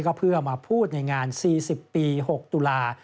ก็เพื่อมาพูดในงาน๔๐ปี๖ตุลา